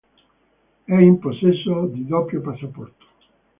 È in possesso di doppio passaporto.